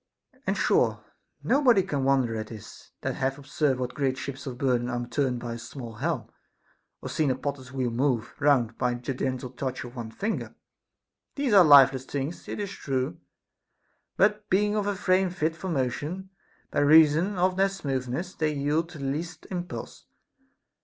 And sure nobody can wonder at this, that hath observed what great ships of burden are turned l/ a small helm, or seen a potter's wheel move SOCRATES'S DAEMON. 405 round by the gentle touch of one finger. These are life less things, it is true ; but being of a frame fit for motion, by reason of their smoothness, they yield to the least im pulse.